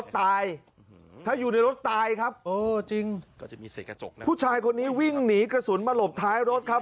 ถ้าอยู่ในรถตายครับพี่ชายคนนี้วิ่งหนีกระสุนมาหลบท้ายรถครับ